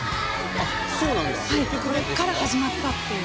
ここから始まったっていう。